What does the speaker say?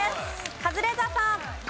カズレーザーさん。